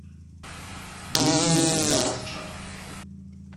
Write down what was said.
Di sin uqbel ad ɣ-teččar.